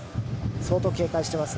相当警戒していますね。